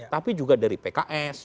tapi juga dari pks